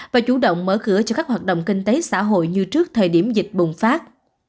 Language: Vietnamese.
và chủ động mở cửa cho các hoạt động kinh tế xã hội như trước thời điểm dịch bùng phát